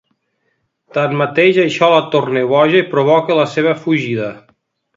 Tanmateix, això la torna boja i provoca la seva fugida.